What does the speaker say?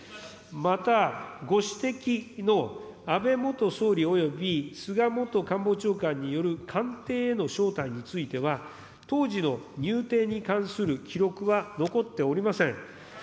また、ご指摘の安倍元総理および菅元官房長官による官邸への招待については、当時の入邸に関する記録は残っておりません。